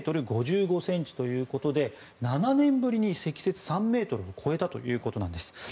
３ｍ５５ｃｍということで７年ぶりに積雪３ｍを超えたということです。